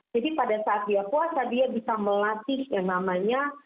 jadi pada saat dia puasa dia bisa melatih yang namanya